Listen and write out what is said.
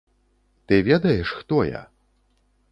Ты ведаеш, хто я?